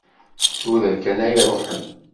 Tura kan ay ruḥen.